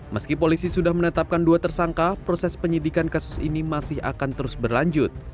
meski polisi sudah menetapkan dua tersangka proses penyidikan kasus ini masih akan terus berlanjut